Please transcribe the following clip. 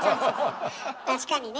確かにね。